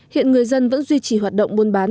hiện người dân vẫn duy trì hoạt động buôn bán